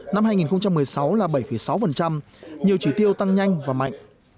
năm hai nghìn một mươi sáu là bảy sáu nhiều chỉ tiêu tăng nhanh và mạnh